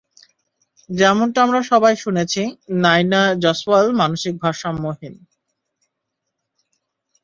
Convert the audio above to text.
যেমনটা আমরা সবাই শুনেছি, নায়না জয়সওয়াল মানসিক ভারসাম্যহীন।